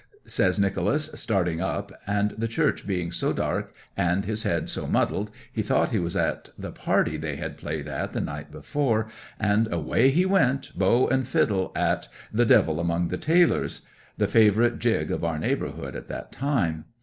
says Nicholas, starting up; and the church being so dark and his head so muddled he thought he was at the party they had played at all the night before, and away he went, bow and fiddle, at "The Devil among the Tailors," the favourite jig of our neighbourhood at that time.